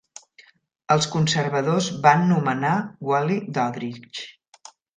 Els Conservadors van nomenar Wally Daudrich.